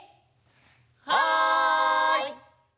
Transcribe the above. はい！